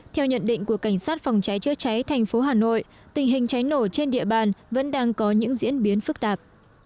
theo nhận định của cảnh sát phòng cháy chữa cháy thành phố hà nội tình hình cháy nổ trên địa bàn vẫn đang có những diễn biến phức tạp